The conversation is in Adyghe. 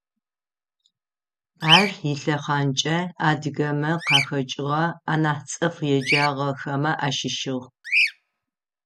Ар илъэхъанкӏэ адыгэмэ къахэкӏыгъэ анахь цӏыф еджагъэхэмэ ащыщыгъ.